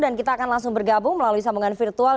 dan kita akan langsung bergabung melalui sambungan virtual